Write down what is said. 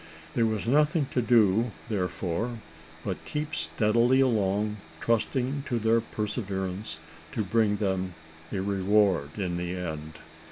There was nothing to do, therefore, but keep steadily along, trusting to their perseverance to bring them a reward in the end.